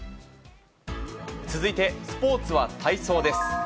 続いてスポーツは体操です。